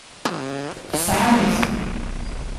Tesɛam-tt.